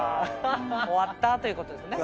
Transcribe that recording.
終わったということですね。